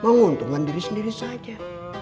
menguntungkan diri sendiri saja